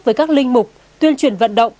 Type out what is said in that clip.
với các linh mục tuyên truyền vận động